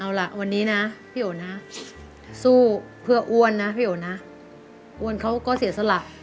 เอาล่ะวันนี้นะพี่โอนะสู้เพื่ออ้วนนะพี่โอนะอ้วนเขาก็เสียสละ